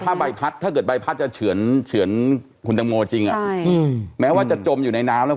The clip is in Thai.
ถ้าใบพัดถ้าเกิดใบพัดจะเฉือนคุณตังโมจริงแม้ว่าจะจมอยู่ในน้ำแล้ว